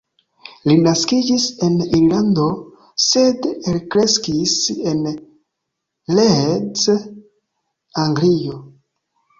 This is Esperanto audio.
Li naskiĝis en Irlando, sed elkreskis en Leeds, Anglio.